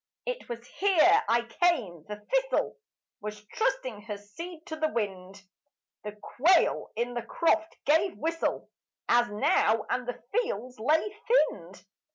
It was here I came the thistle Was trusting her seed to the wind; The quail in the croft gave whistle As now and the fields lay thinned.